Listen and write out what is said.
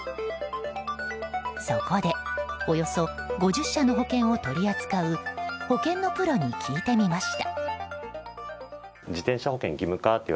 そこで、およそ５０社の保険を取り扱う保険のプロに聞いてみました。